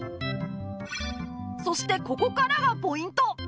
そしてここからがポイント